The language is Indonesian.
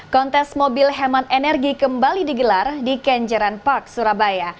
kontes mobil hemat energi kembali digelar di kenjeran park surabaya